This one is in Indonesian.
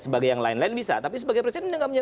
sebagai yang lain lain bisa tapi sebagai presiden